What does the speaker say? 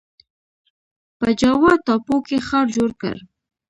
په جاوا ټاپو کې ښار جوړ کړ.